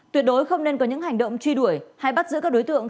tuyệt đối không nên có những hành động truy đuổi hay bắt giữ các đối tượng